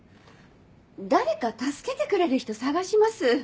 誰か助けてくれる人探します。